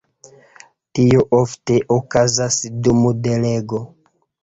Tio ofte okazas dum degelo.